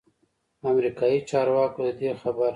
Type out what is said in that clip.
امریکايي چارواکو ددې خبر